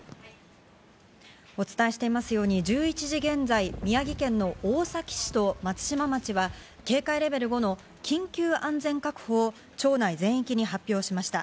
お伝えしていますように、１１時現在、宮城県の大崎市と松島町は警戒レベル５の緊急安全確保を町内全域に発表しました。